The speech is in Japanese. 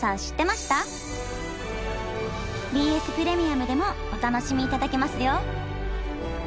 ＢＳプレミアムでもお楽しみいただけますよ！